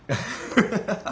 ハハハハハ！